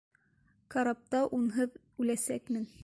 Карапта унһыҙ үләсәкмен.